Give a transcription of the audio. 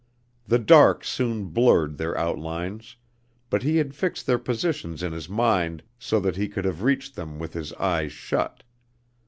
The dark soon blurred their outlines, but he had fixed their positions in his mind so that he could have reached them with his eyes shut.